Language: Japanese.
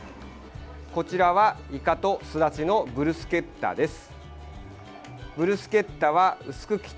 こちらはイカとすだちのブルスケッタです。